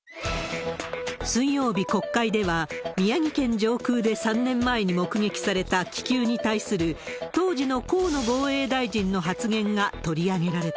水曜日、国会では、宮城県上空で３年前に目撃された気球に対する、当時の河野防衛大臣の発言が取り上げられた。